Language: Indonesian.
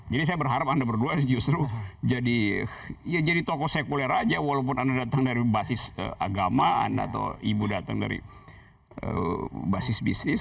jadi saya berharap anda berdua justru jadi tokoh sekuler saja walaupun anda datang dari basis agama anda atau ibu datang dari basis bisnis